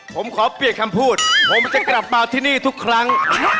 ผมขอเปลี่ยนคำพูดผมจะกลับมาที่นี่ทุกครั้ง